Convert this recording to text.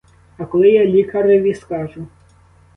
А коли я лікареві скажу?